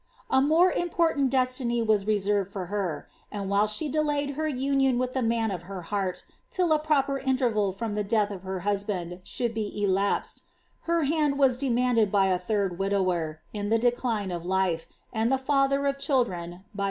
' A more important destiny was reserved for her, and while she dekj her union with the man of her heart, till a proper interval Irom t death of her husband should have elapsed, her hand was demanded I a third widower, in the decline of life, and the father o{ children i * Hi*t'iry <»f ilu Hoii' j' of N'»»vi'il#».